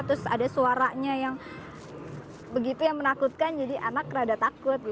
terus ada suaranya yang begitu yang menakutkan jadi anak rada takut